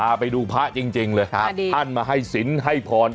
อ่าไปดูพระจริงเลยท่านมาให้สินให้ผ่อน